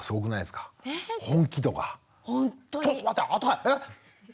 「ちょっと待って！